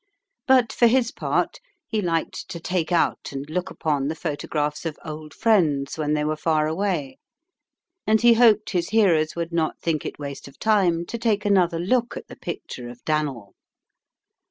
But, for his part, he liked to take out and look upon the photographs of old friends when they were far away, and he hoped his hearers would not think it waste of time to take another look at the picture of Dan'l.